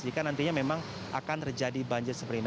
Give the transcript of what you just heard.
jika nantinya memang akan terjadi banjir seperti ini